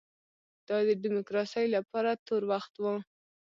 دا د ډیموکراسۍ لپاره تور وخت و.